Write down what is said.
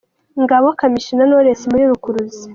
Ngabo Kamichi na Knowless muri Rukuruzi.